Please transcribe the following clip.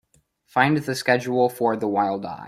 Find the schedule for The Wild Eye.